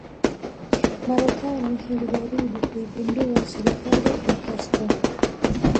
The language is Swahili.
Marekani ilijaribu kuipindua serikali ya Castro